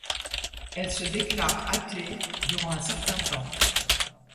Elle se déclare athée durant un certain temps.